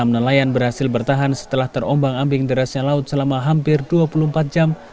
enam nelayan berhasil bertahan setelah terombang ambing derasnya laut selama hampir dua puluh empat jam